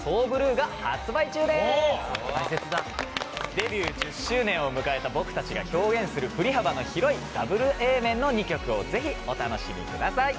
デビュー１０周年を迎えた僕たちが表現する振り幅の広いダブルＡ面の２曲をぜひお楽しみください。